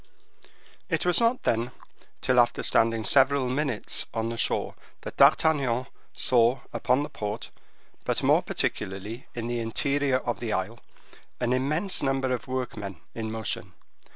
It was not, then, till after standing several minutes on the shore that D'Artagnan saw upon the port, but more particularly in the interior of the isle, an immense number of workmen in motion.